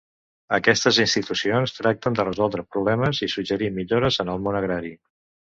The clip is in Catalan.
Aquestes institucions tracten de resoldre problemes i suggerir millores en el món agrari.